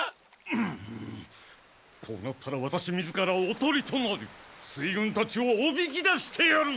うんこうなったらワタシ自らおとりとなり水軍たちをおびき出してやる。